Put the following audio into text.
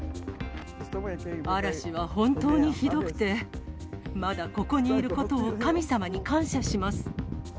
嵐は本当にひどくて、まだここにいることを神様に感謝します。